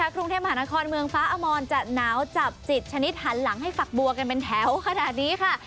กรุงเทพมหานครเมืองฟ้าอมรจะหนาวจับจิตชนิดหันหลังให้ฝักบัวกันเป็นแถวขนาดนี้ค่ะ